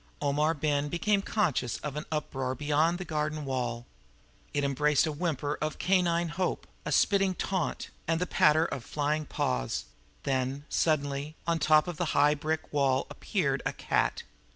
Omar Ben became conscious of an uproar beyond the garden wall. It embraced a whimper of canine hope, a spitting taunt, and the patter of flying paws; then, suddenly, on the top of the high brick wall appeared a cat.